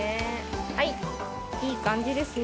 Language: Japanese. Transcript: はいいい感じですね。